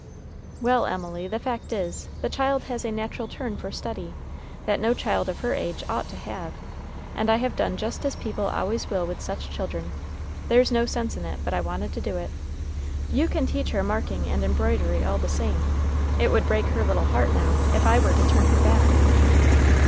"Well, Emily, the fact is, the child has a natural turn for study, that no child of her age ought to have; and I have done just as people always will with such children; there's no sense in it, but I wanted to do it. You can teach her marking and embroidery all the same; it would break her little heart, now, if I were to turn her back."